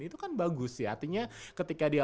itu kan bagus ya artinya ketika dia